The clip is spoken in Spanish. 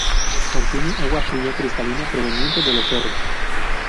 Contiene agua fría cristalina proveniente de los cerros.